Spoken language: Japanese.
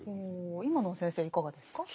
おお今のは先生いかがですか？